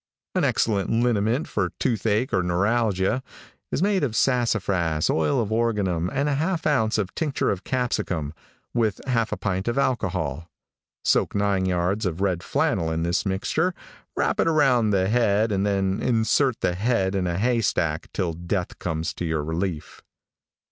An excellent liniment for toothache or neuralgia, is made of sassafras, oil of organum and a half ounce of tincture of capsicum, with half a pint of alcohol. Soak nine yards of red flannel in this mixture, wrap it around the head and then insert the head in a haystack till death comes to your relief.